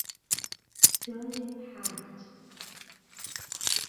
جای پرت